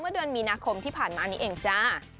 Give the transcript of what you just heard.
เดือนมีนาคมที่ผ่านมานี้เองจ้า